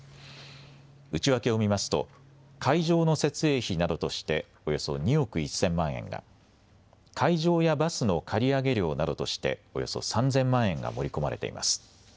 内訳を見ますと、会場の設営費などとしておよそ２億１０００万円が、会場やバスの借り上げ料などとしておよそ３０００万円が盛り込まれています。